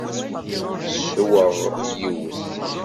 Ssweɣ yiwet.